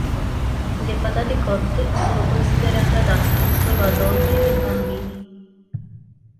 Le patate cotte sono considerate adatte solo a donne e bambini.